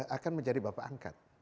akan menjadi bapak angkat